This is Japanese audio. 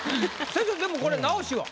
先生でもこれ直しは？